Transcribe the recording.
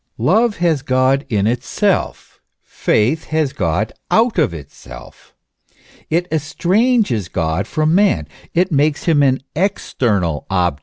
Love has God in itself: faith has God out of itself; it estranges God from man, it makes him an external object.